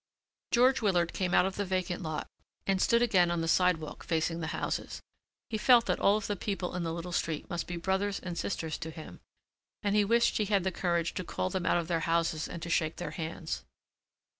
George Willard came out of the vacant lot and stood again on the sidewalk facing the houses. He felt that all of the people in the little street must be brothers and sisters to him and he wished he had the courage to call them out of their houses and to shake their hands.